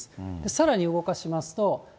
さらに動かしますと。